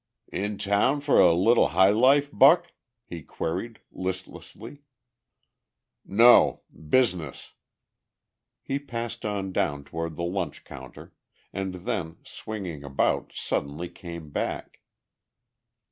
"In town for a little high life, Buck?" he queried listlessly. "No. Business." He passed on down toward the lunch counter, and then swinging about suddenly came back.